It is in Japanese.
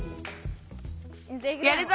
やるぞ！